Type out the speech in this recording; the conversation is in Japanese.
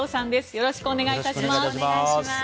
よろしくお願いします。